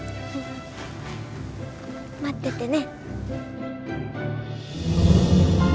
待っててね。